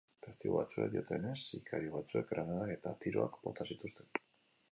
Testigu batzuek diotenez, sikario batzuek granadak eta tiroak bota zituzten.